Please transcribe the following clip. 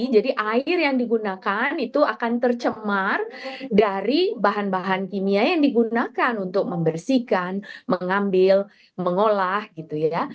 jadi air yang digunakan itu akan tercemar dari bahan bahan kimia yang digunakan untuk membersihkan mengambil mengolah gitu ya